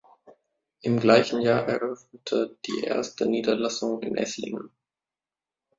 Im gleichen Jahr eröffnete die erste Niederlassung in Esslingen.